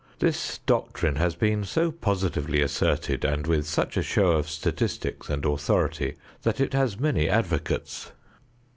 This doctrine has been so positively asserted and with such a show of statistics and authority, that it has many advocates.